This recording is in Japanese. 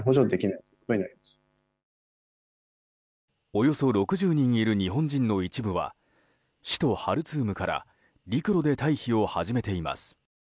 およそ６０人いる日本人の一部は首都ハルツームから陸路で退避を始めています。